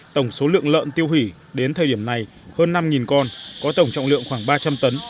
tổng số lượng lợn tiêu hủy đến thời điểm này hơn năm con có tổng trọng lượng khoảng ba trăm linh tấn